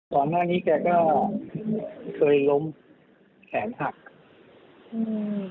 ก่อนหน้านี้แกก็เคยล้มแขนหักอืม